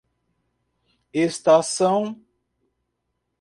Estação